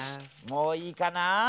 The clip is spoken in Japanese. もういいかな？